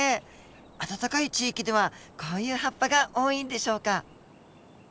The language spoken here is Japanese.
暖かい地域ではこういう葉っぱが多いんでしょうか？